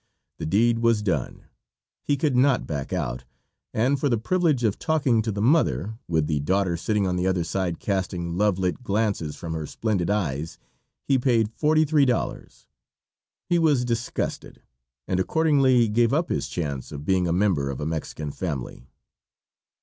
The deed was done; he could not back out, and for the privilege of talking to the mother, with the daughter sitting on the other side casting love lit glances from her splendid eyes, he paid forty three dollars. He was disgusted, and accordingly gave up his chance of being a member of a Mexican family.